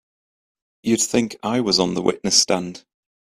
You'd think I was on the witness stand!